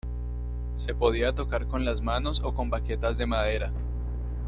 Se podía tocar con las manos o con baquetas de madera